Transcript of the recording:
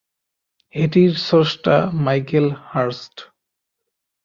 এটির স্রষ্টা Michael Hurst.